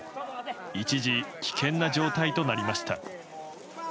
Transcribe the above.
一時、危険な状態となりました。